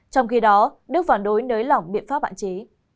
trong khi đó đức phản đối nới lỏng biện pháp hạn chế